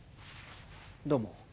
どうも。